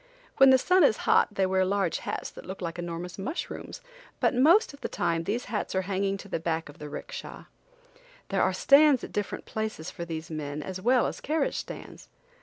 When the sun is hot they wear large hats that look like enormous mushrooms, but most of the time these hats are hanging to the back of the 'ricksha. There are stands at different places for these men as well as carriage stands.